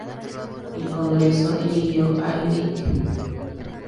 El Congreso eligió al Lic.